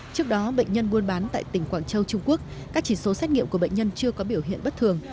trước đó bệnh nhân buôn bán tại tỉnh quảng châu trung quốc các chỉ số xét nghiệm của bệnh nhân chưa có biểu hiện bất thường